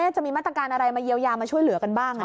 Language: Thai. จะมีมาตรการอะไรมาเยียวยามาช่วยเหลือกันบ้าง